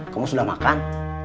kamu sudah makan